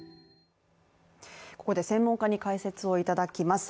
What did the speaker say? ここで専門家に解説をいただきます。